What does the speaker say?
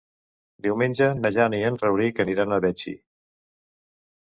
Diumenge na Jana i en Rauric aniran a Betxí.